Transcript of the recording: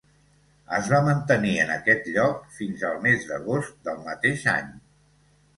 Es va mantenir en aquest lloc fins al mes d'agost del mateix any.